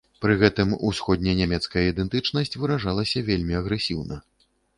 Пры гэтым усходненямецкая ідэнтычнасць выражалася вельмі агрэсіўна.